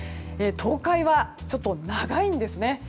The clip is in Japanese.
東海はちょっと長いんですね。